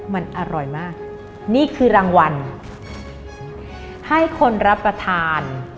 มันอร่อยมากนี่คือรางวัลให้คนรับประทาน